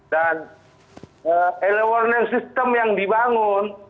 dan elewarning system yang dibangun